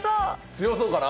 強そうかな。